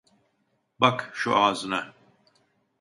Bak, şu ağzına…